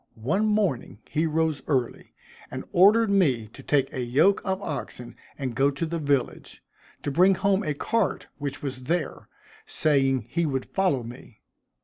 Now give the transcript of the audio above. One morning he rose early, and ordered me to take a yoke of oxen and go to the village, to bring home a cart which was there, saying he would follow me.